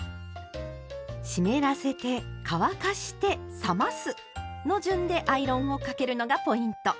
湿らせて乾かして冷ますの順でアイロンをかけるのがポイント！